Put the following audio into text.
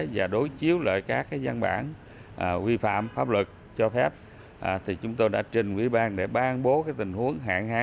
và đối chiếu lợi các gian bản vi phạm